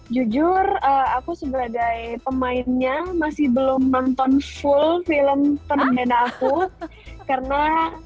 jujur aku sebagai pemainnya masih belum nonton full film terna aku karena